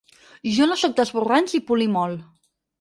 Jo no sóc d’esborranys i polir molt.